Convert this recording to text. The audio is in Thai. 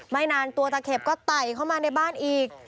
ไม่นานตัวตะเข็บก็ไต่เข้ามาในบ้านอีก